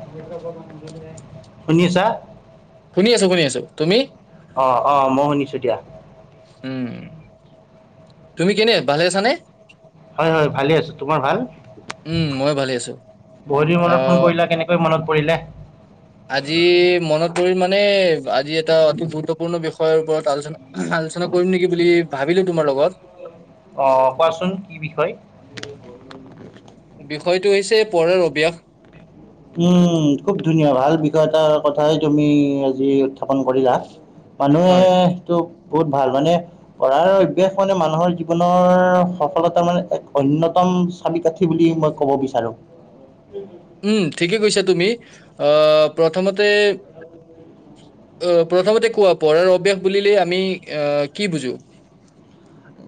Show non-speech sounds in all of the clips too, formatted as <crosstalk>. <unintelligible> শুনি আছা? শুনি আছোঁ, শুনি আছোঁ। তুমি? অ', অ' মই শুনিছোঁ দিয়া। উম, তুমি কেনে ভালে আছানে? হয়, হয় ভালে আছোঁ। তোমাৰ ভাল? উম মই ভালে আছো বহুদিন মনত ফোন আহ কৰিলা কেনে কৈ, মনত পৰিলে? আজি মনত পৰিম মানে, আজি এটা অতি গুৰুত্বপূৰ্ণ বিষয়ৰ ওপৰত আলোচনা আলোচনা কৰিম নেকি বুলি ভাবিলোঁ তোমাৰ লগত। অ', কোৱাচোন, কি বিষয়? বিষয়টো হৈছে পঢ়াৰ অভ্যাস। উম, খুব ধুনীয়া, ভাল বিষয় এটাৰ কথাই তুমি আজি উত্থাপন কৰিলা। <inaudible> মানুহেতো বহুত ভাল মানে কৰাৰ অভ্যাস মানে মানুহৰ জীৱনৰ সফলতাৰ মানে, এক অন্যতম চাবিকাঠি বুলি মই ক'ব বিচাৰোঁ। উম, ঠিকে কৈছা তুমি। আহ, প্ৰথমতে অ', প্ৰথমতে কোৱা, পঢ়াৰ অভ্যাস বুলিলে আমি আহ কি বুজো?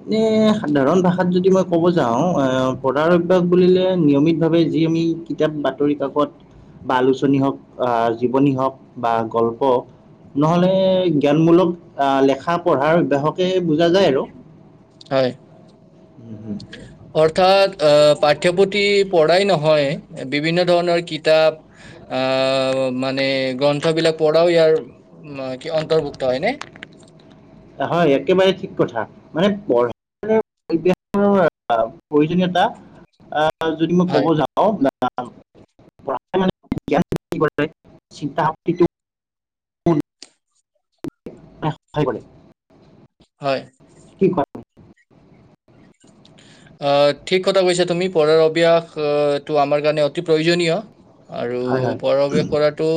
এ, সাধাৰণ ভাষাত যদি মই ক'ব যাওঁ, পঢ়াৰ অভ্যাস বুলিলে নিয়মিতভাৱে যি আমি কিতাপ, বাতৰি-কাকত বা আলোচনী হওঁক, আঃ জীৱনী হওঁক বা গল্প নহ'লে, জ্ঞানমূলক আহ, লেখা পঢ়াৰ দেহকে বুজা যায় আৰু। হয়। <inaudible> অৰ্থাৎ আহ, পাঠ্যপুথি পঢ়াই নহয়, বিভিন্ন ধৰণৰ কিতাপ আহ, মানে গ্ৰন্থবিলাক পঢ়াও ইয়াৰ, মই কি অন্তৰ্ভুক্ত হয়নে? হয়, একেবাৰে ঠিক কথা। মানে <unintelligible> প্ৰয়োজনীয়তা আ, যদি মই ক'ব হয় যাওঁ <unintelligible> চিন্তা শক্তিটো <unintelligible> হয়। কি <inaudible> অ', ঠিক কথা কৈছা তুমি, পঢ়াৰ অভ্যাসটো আমাৰ কাৰণে অতি প্ৰয়োজনীয়। আৰু হয় হয় পৰৱেশ কৰাটো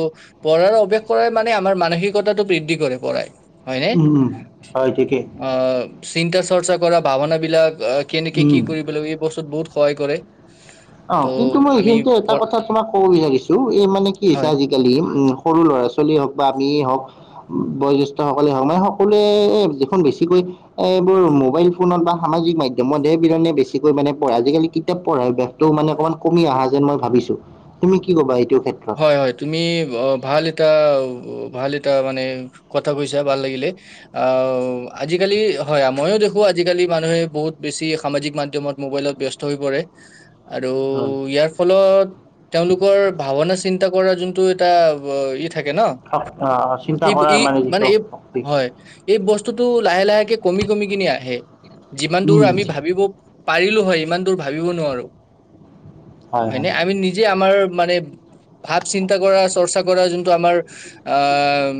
পঢ়াৰ অভ্যাস কৰাই মানে আমাৰ মানসিকতাটো বৃদ্ধি কৰে, পঢ়াই হয়নে? উম উম হয় ঠিকেই অ', চিন্তা চৰ্চা কৰা ভাৱনাবিলাক কেনেকে উম কি কৰিব লাগিব, বস্তুত বহুত সহায় কৰে। ত' অ', কিন্তু মই আমি এইখিনিতে এটা পঢ়- কথা তোমাক ক'ব বিচাৰিছোঁ, এই মানে কি হৈছে হয় আজি <unintelligible> উম, সৰু ল'ৰা-ছোৱালীয়ে হওক বা আমিয়েই হওক বয়োজ্যেষ্ঠ সকলে <unintelligible> সকলোৱে যিখন বেছিকৈ এইবোৰ মোবাইল ফোনত বা সামাজিক মাধ্যমত হে, বিৰনে বেছিকৈ মানে পঢ়ে, আজিকালি কিতাপ পঢ়া অভ্যাস টো, মানে অকমান কমি অহা যেন মই ভাবিছোঁ। তুমি কি ক'বা এইটো ক্ষেত্ৰ? হয়, হয়। তুমি ভাল এটা, ভাল এটা মানে কথা কৈছা, ভাল লাগিলে। আও, আজিকালি হয়, ময়ো দেখোঁ আজিকালি মানুহে বহুত বেছি সামাজিক মাধ্যমত মবাইলত ব্যস্ত হৈ পৰে, আৰু হয়, ইয়াৰ ফলত তেওঁলোকৰ ভাৱনা চিন্তা কৰাৰ যোনটো এটা ই থাকে ন, চিন্তা কৰাৰ ইত-ই মানে যিটো ই শক্তি হয়, ই বস্তুটো লাহে লাহেকে কমি, কমি কিনে আহে, যিমান দূৰ উম আমি ভাবিব পাৰিলোঁ হয়, ইমান দূৰ ভাবিব নোৱাৰোঁ, হয় নে? আমি নিজে আমাৰ মানে ভাৱ চিন্তা কৰা, চৰ্চা কৰা যোনটো আমাৰ আহ,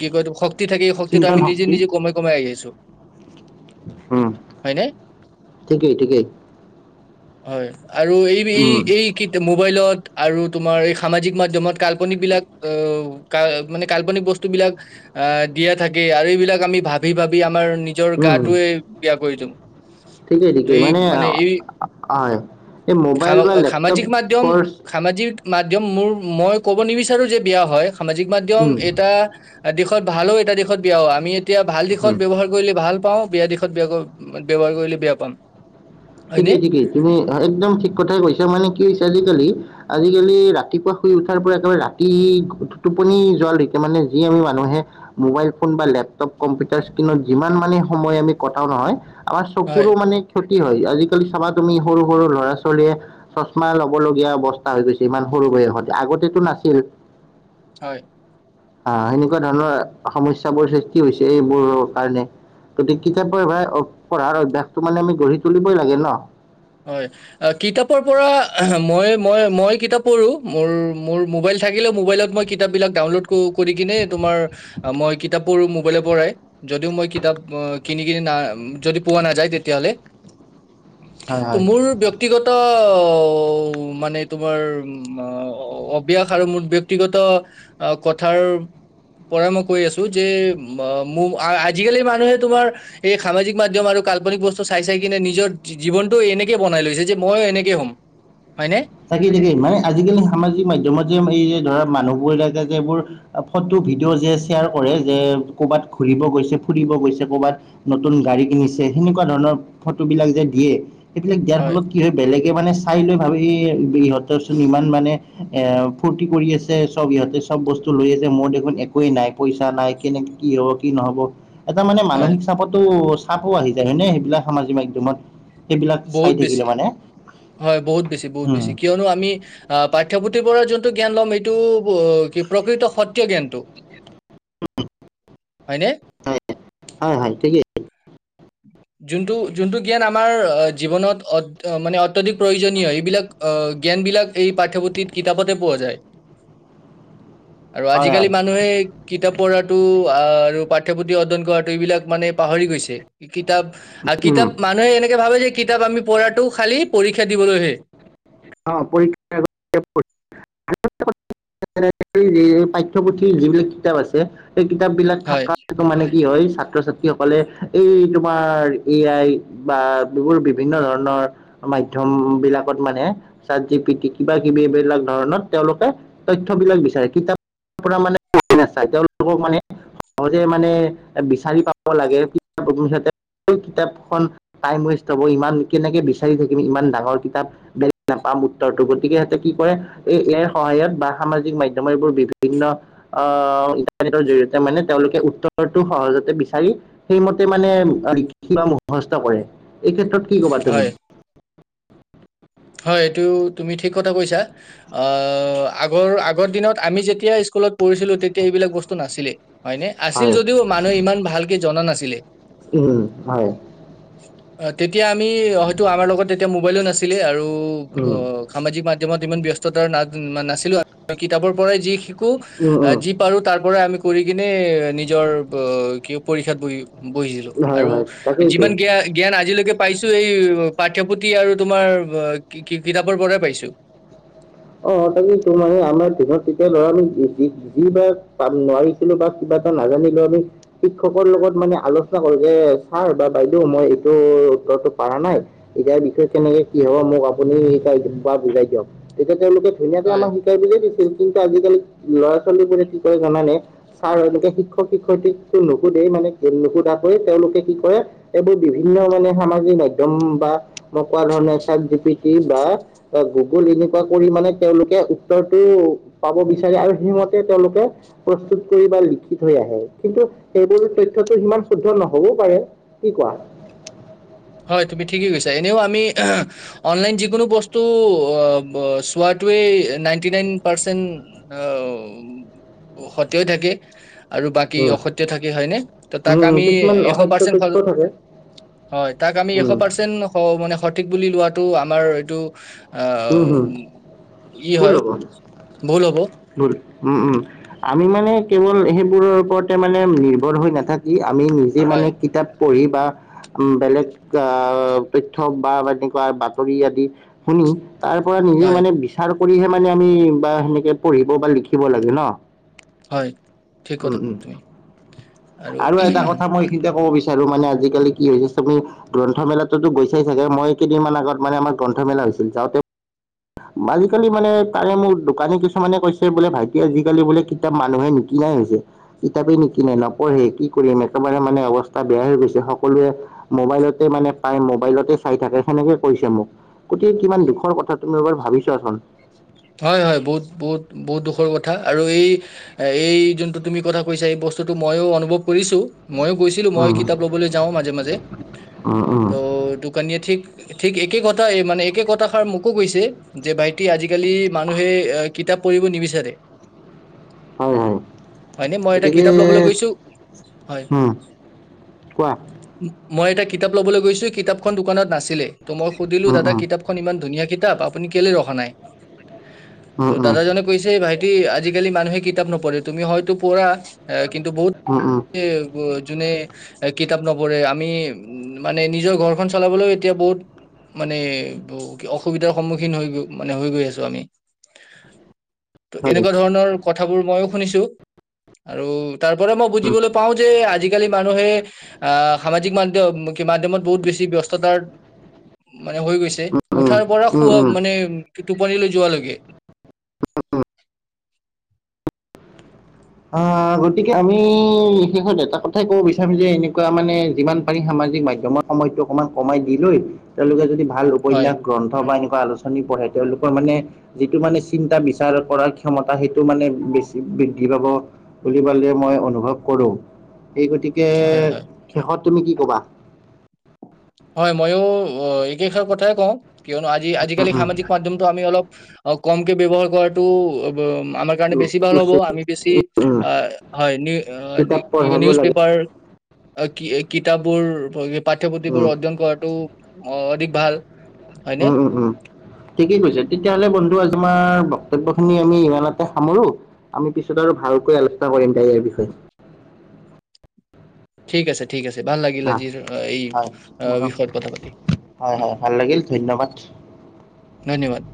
কি কয় এইটো? শক্তি থাকে এই শক্তিটো চিন্তন আমি নিজে, শক্তি নিজে কমাই, কমাই আহি আছোঁ। উম! ঠিকেই, ঠিকেই! হয়! আৰু এই, উম এইকেইটা মোবাইলত আৰু তোমাৰ এই সামাজিক মাধ্যমত কাল্পনিক বিলাক আহ ক মানে কাল্পনিক বস্তুবিলাক আহ দিয়া থাকে আৰু এইবিলাক আমি ভাবি, ভাবি আমাৰ নিজৰ উম গাটোৱে বিয়া কৰি লৌ ঠিকেই ঠিকেই এই মানে আ- এই হয় এই খা মোবাইল বা সামাজিক মাধ্যম লেপটপৰ সামাজিক মাধ্যম মোৰ মই ক'ব নিবিচাৰোঁ যে বেয়া হয় সামাজিক মাধ্যম উম, এটা দিশত ভালো এটা দিশত বিয়াও! আমি এতিয়া ভাল দিশত হুম, ব্যৱহাৰ কৰিলে ভাল পাওঁ! বিয়া দিশত বেয়া ব্যৱহাৰ কৰিলে বেয়া পাম! হয়নে ঠিকেই, ঠিকেই! তুমি একদম ঠিক কথাই কৈছা মানে কি হৈছে আজিকালি আজিকালি ৰাতিপুৱা শুই উঠাৰ পৰা একেবাৰে ৰাতি টোপনি যোৱালৈকে মানে যি আমি মানুহে মোবাইল ফোন বা লেপটপ কম্পিউটাৰ স্ত্ৰীণত যিমান মানে সময় আমি কটাওঁ নহয় আমাৰ হয় চকুৰো মানে ক্ষতি হয়! আজিকালি চাবা তুমি সৰু, সৰু ল'ৰা ছোৱালীয়ে চশমা লবলগীয়া অৱস্থা হৈ গৈছে ইমান সৰু বয়সতে, আগতেতো নাছিল। হয়। অ' সেনেকুৱা ধৰণৰ সমস্য বোৰ সৃষ্টি হৈছে এইবোৰৰ কাৰণে। গতিকে কিতাপ পঢ় পঢ়াৰ অভ্যাসটো মানে আমি গঢ়ি তুলিবই লাগে ন? হয়। অ' কিতাপৰ পৰা মই মই মই কিতাপ পঢ়ো মোৰ মোৰ মোবাইল থাকিলেও মোবাইলত মই কিতাপ বিলাক ডাউনলোড কৰি কিনে তোমাৰ মই কিতাপ পঢ়ো। মোবাইলৰ পৰাই, যদিও মই কিতাপ কিনি কিনি না যদি পোৱা নাযায় তেতিয়াহলে। হয় ত হয় মোৰ ব্যক্ত ব্যক্তিগত মানে তোমাৰ অভ্যাস আৰু মোৰ ব্যক্তিগত আহ কথাৰ পৰা মই কৈ আছো, যে ম আজিকালি মানুহে তোমাৰ এই সামাজিক মাধ্যম আৰু কাল্পনিক বস্তু চাই চাই কিনে নিজৰ জীৱনটো এনে জে বনাই লৈছে। যে মই এনেকে হ'ম হয়নে? থাকেই থাকেই, মানে আজিকালি সামাজিক মাধ্যমত যে এই যে ধৰা মানুহবোৰ <unintelligible> যে এইবোৰ ফটো ভিডিঅ' যে শ্বেয়াৰ কৰে যে কৰবাত ঘুৰিব গৈছে ফুৰিব গৈছে নতুন গাড়ী কিনিছে সেনেকুৱা ধৰণৰ ফটোবিলাক যে দিয়ে সেইবিলাক দিয়াৰ ফলত কি হয়, বেলেগে মানে চাই লৈ ভাবে ইহ'তৰচোন ইমান মানে এ ফূৰ্তি কৰি আছে চব ইহঁতে চব বস্তু লৈ আছে মোৰ দেখোন একোৱেই নাই পইচা নাই কেনেকে কি হব কি নহব এটা মানে হয় মানসিক চাপতো চাপো আহি যায় হয় নে সেইবিলাক সামাজিক মাধ্যমত? সেইবিলাক চাই বহুত বেছি থাকিলে মানে? হয়। বহুত বেছি বহুত উম বেছি। কিয়নো আমি আহ পাঠ্যপুথিৰ পৰা যোনটো জ্ঞান ল'ম এইটো কি প্ৰকৃত সত্য জ্ঞানটো। হয়নে? হয়, হয়, হয় ঠিকেই। যোনটো যোনটো জ্ঞান আমাৰ জীৱনত মানে অত্যাধিক প্ৰয়োজনীয় এইবিলাক আহ জ্ঞানবিলাক এই পাঠ্যপুথিত কিতাপতে পোৱা যায়। আৰু হয় আজিকালি হয় মানুহে কিতাপ পঢ়াটো আৰু পাঠ্যপুথি অধ্যয়ন কৰাটো এইবিলাক মানে পাহৰি গৈছে। কিতাপ আৰু উম কিতাপ মানুহে এনেকে ভাবে যে কিতাপ আমি পঢ়াটো খালি পৰীক্ষা দিবলৈহে। অ পৰীক্ষা <unintelligible> <unintelligible> সেই পাঠ্যপুথি, যিবিলাক কিতাপ আছে। সেই কিতাপ বিলাক হয় থাকাৰ টো মানে কি হয়, ছাত্ৰ ছাত্ৰী সকলে এই তোমাৰ এ' আইৰ বা এইবোৰ বিভিন্ন ধৰণৰ মাধ্যম বিলাকত মানে চাতজিপিতি কিবা কিবি এইবিলাক ধৰণত তেওঁলোকে তথ্য বিলাক বিচাৰে। কিতাপ পৰা মানে পঢ়ি নাচায় তেওঁলোকক মানে সহজে মানে বিচাৰি পাব লাগে কিতাপত সিহঁতে তেই কিতাপখন টাইম ৱেষ্ট হ'ব, ইমান কেনেকে বিচাৰি থাকিম ইমান ডাঙৰ কিতাপ, বেলেগ নাপাম উত্তৰটো, গতিকে সিহঁতে কি কৰে এই এ আইয়ৰ সহায়ত বা সামাজিক মাধ্যম এইবোৰ বিভিন্ন অহ ইটাৰনেটৰ জৰিয়তে মানে তেওঁলোকে উত্তৰটো সহজতে বিচাৰি সেইমতে মানে লিখি বা মুখস্থ কৰে, এই ক্ষেত্ৰত কি ক'বা তুমি? হয় হয় এইটো, তুমি ঠিক কথা কৈছা। আহ আগৰ আগৰ দিনত আমি যেতিয়া স্কুলত পঢ়িছিলো, তেতিয়া এইবিলাক নাছিলে। হয়নে? আছিল হয় যদিও মানুহে ইমান ভালকে জনা নাছিলে। উম হয় অ' তেতিয়া আমি হয়তো আমাৰ লগত এতিয়া মোবাইলো নাছিলে, আৰু উম অঁ সামাজিক মাধ্যমত ইমান ব্যস্ততাৰ না নাছিলো কিতাপৰ পৰাই যি শিকো উম আহ উম যি পাৰোঁ, তাৰ পৰা আমি কৰি কিনে নিজৰ কি পৰীক্ষাত বহি বহিছিলোঁ হয় আৰু হয় তাকেইতো যিমান জ্ঞা জ্ঞান আজিলৈকে পাইছোঁ এই পাঠ্যপুথি আৰু তোমাৰ ৱ কিতাপৰ পৰাই পাইছোঁ। অঁ, তাকেইতো মানে আমাৰ দিনত তেতিয়া ল'ৰা আমি যি যি বাৰ পাম নোৱাৰিছিলোঁ বা কিবা এটা নাজানিলোঁ আমি শিক্ষকৰ লগত মানে আলোচনা কৰোঁ যে ছাৰ বা বাইদেউ মই এইটো উত্তৰটো পাৰা নাই ইয়াৰ বিষয়ে কেনেকে কি হ'ব, মোক আপুনি শিকাই বা বুজাই দিয়ক। তেতিয়া তেওঁলোকে ধুনীয়াকে হয় আমাক শিকাই বুজায় দিছিল, কিন্তু আজিকালি ল'ৰা ছোৱালীবোৰে কি কৰে জানানে? ছাৰ এনেকে শিক্ষক শিক্ষয়িত্ৰীক তো নুশুধেই মানে নুশুধাকৈয়ে তেওঁলোকে কি কৰে এইটো বিভিন্ন মানে সামাজিক মাধ্যম বা মই কোৱা ধৰণে চাট জিটিপি বা বা গুগল এনে কোৱা কৰি মানে তেওঁলোকে উত্তৰটো পাব বিচাৰে আৰু সেইমতে তেওঁলোকে প্ৰস্তুত কৰি বা লিখি থৈ আহে কিন্তু সেইবোৰ তথ্যটো সিমান শুদ্ধ নহ'বও পাৰে। কি কোৱা? হয়, তুমি ঠিকেই কৈছা। এনেও আমি অনলাইন যিকোনো বস্তু শ ব চোৱাটোৱে নাইনটি নাইন পাৰছেণ্ট অঁৱ সত্যয় থাকে। আৰু বাকী উম, অসত্য থাকে হয়নে? ত' তাক উম, আমি কিছুমান এশ অসত্য পাৰ্চেন্ট হল তথ্যও থাকে হয়। তাক আমি এশ উম, পাৰ্চেন্ট হ'ব মানে, সঠিক বুলি লোৱাটো আমাৰ এটো হম, অ', হম, ই ভুল হয়, হ'ব ভুল হ'ব। ভুল, উম, উম, আমি মানে কেৱল সেইবোৰৰ ওপৰতে মানে নিৰ্ভৰ হৈ নাথাকি, আমি নিজে মানে হয় কিতাপ পঢ়ি বা বেলেগ আহ, তথ্য বা এনেকুৱা বাতৰি আদি শুনি তাৰপৰা নিজে হয় মানে বিচাৰ কৰিহে মানে আমি বা সেনেকে পঢ়িব বা লিখিব লাগে, ন'? হয়, ঠিক উম কথা উম কৈছা তুমি। আৰু এটা কথা মই এইখিনিতে কব বিচাৰো মানে আজিকালি কি হৈছে, তুমি- গ্ৰন্থমেলাতটোতো গৈছাই চাগে মই কেইদিনমান আগত মানে আমাৰ গ্ৰন্থমেলা হৈছিল যাওঁতে আজিকালি মানে তাৰে মোক দোকানী কিছুমানে কৈছে বোলে ভাইটি আজিকালি বোলে- কিতাপ মানুহে নিকিনাই হৈছে, কিতাপেই নিকিনাই নপ পঢ়ি কি কৰিম একেবাৰে মানে অৱস্থা বেয়া হৈ গৈছে সকলোৱে মোবাইলতে মানে পাই মোবাইলতে চাই থাকে সেনেকে কৈছে মোক গোটেই কিমান দুখৰ কথা তুমি এবাৰ ভাবি ছোৱাচোন হয়, হয়, বহুত, বহুত, বহুত, দুখৰ কথা, আৰু এই এই যোনটো তুমি কথা কৈছা এই বস্তুটো মইও অনুভৱ কৰিছোঁ মইয়ো গৈছিলো মই উম, কিতাপ ল'বলৈ যাওঁ মাজে মাজে উম, উম, ত কনিয়ে ঠিক, ঠিক একে কথা মানে একে কথাষাৰ মোকো কৈছে যে, ভাইটি আজি আজিকালি মানুহে এ কিতাপ পঢ়িব নিবিচাৰে। হয় হয় হয়নে, মই এটা গতিকে কিতাপ লবলৈ গৈছো, হয়। উম, কোৱা? মই এটা কিতাপ লবলৈ গৈছো কিতাপখন দোকানত নাছিলেই টো মই সুধিলো উম, দাদা উম, কিতাপ ইমান ধুনীয়া কিতাপ, আপুনি কেলে ৰখা নাই। উম, ত' উম, দাদাজনে কৈছে ভাইটি আজিকালি মানুহে কিতাপ নপঢ়ে তুমি হয়তো পঢ়া। এ কিন্তু বহুতে। উম, উম, যোনে এ কিতাপ নপঢ়ে, আমি উম মানে নিজৰ ঘৰখন চলাবলৈও এতিয়া বহুত- মানে অসুবিধাৰ সন্মুখীন হৈ মানে হৈ গৈ আছে। তু আমি, হয়, ত'এনেকুৱা ধৰণৰ কথাবোৰ মইও শুনিছোঁ। আৰু তাৰ পৰা মই উম, বুজিবলৈ পাওঁ যে, আজি আজিকালি মানুহে আহ, সামাজিক মাধ্যম মাধ্যমত বহুত বেছি ব্যস্ততাৰ- মানে হৈ গৈছে। উম, উঠাৰ পৰা উম, সোৱা উম, মানে টোপনিলৈ যোৱালৈকে। আহ গতিকে আমি বিশেষত এটা কথাই ক'ব বিচাৰিম যে, এনেকুৱা মানে যিমান পাৰি সামাজিক মাধ্যমত সময়টো অকণমান কমাই দি লৈ তেওঁলোকে যদি ভাল হয় উপন্যাস গ্ৰন্থ বা এনেকুৱা আলোচনা আদি পঢ়ে, তেওঁলোকৰ মানে যিটো মানে চিন্তা বিচাৰ কৰাৰ ক্ষমতা সেইটো মানে বেছি বৃদ্ধ ধি পাব বুলি পেলাই মই অনুভৱ কৰো সেই গতিকে হয় হয় শেষত তুমি কি ক'বা? হয় ময়ো অ একেষাৰ কথাই কওঁ, কিয়নো আজি উম আজিকালি সামাজিক মাধ্যম ত' আমি অলপ ক'মকে ব্যবহাৰ কৰাটো অ ব আমাক কাৰণে বেছি ভাল হ'ব, আমি বেছি উম আ হয় নি কিতাপ কি পঢ়াব নিউজ লাগে পেপাৰ অ' কি কিতাপবোৰ পাঠ্য পুথিবোৰ উম অধ্যয়ন কৰাতটো অ অধিক ভাল। হয়নে? উম, উম, উম। ঠিকেই কৈছা তেতিয়াহ'লে বন্ধু আজি আমাৰ বক্তব্য খিনি আমি ইমানতে সামৰো। আমি পিছত আৰু ভালকৈ আলোচনা কৰিম দে ইয়াৰ বিষয়ে। ঠিক আছে ঠিক আছে ভাল লাগিল হয় আজিৰ এই হয় মোৰো বিষয়ত কথা পাতি। হয়, হয়, ভাল লাগিল ধন্যবাদ। ধন্যবাদ।